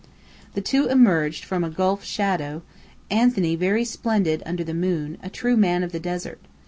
The two emerged from a gulf of shadow, Anthony very splendid under the moon, a true man of the desert.